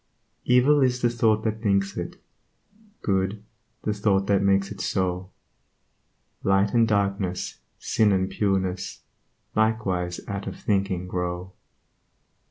Evil is the thought that thinks it; Good, the thought that makes it so Light and darkness, sin and pureness Likewise out of thinking grow.